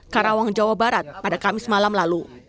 karawang jawa barat pada kamis malam lalu